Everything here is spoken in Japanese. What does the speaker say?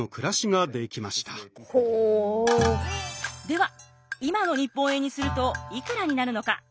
では今の日本円にするといくらになるのか？